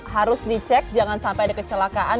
harus dicek jangan sampai ada kecelakaan